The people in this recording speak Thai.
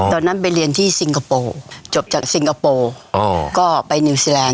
ตอนนั้นไปเรียนที่ซิงคโปร์จบจากซิงคโปร์ก็ไปนิวซีแลนด